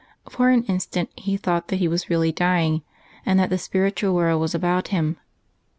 For an instant he thought that he was really dying, and that the spiritual world was about him.